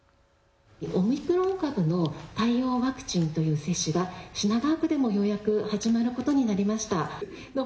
オミクロン株の対応ワクチンという接種が品川区でもようやく始まることになりました。